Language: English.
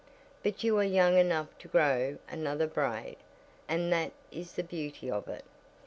But you are young enough to grow another braid, and that is the beauty of it.